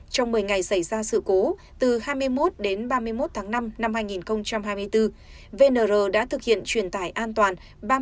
trong một mươi ngày xảy ra sự cố từ hai mươi một đến ba mươi một tháng năm năm hai nghìn hai mươi bốn vnr đã thực hiện truyền tải an toàn